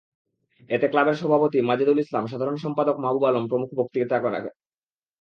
এতে ক্লাবের সভাপতি মাজেদুল ইসলাম, সাধারণ সম্পাদক মাহবুব আলম প্রমুখ বক্তৃতা করেন।